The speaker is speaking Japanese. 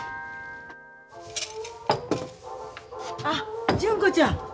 あ純子ちゃん